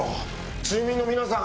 住民の皆さん